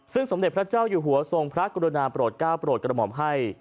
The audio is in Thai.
ซึ่งสมเด็จพระเจ้าอยู่หัวทรงพระกรุณาประโลดกรอบประโบสมให้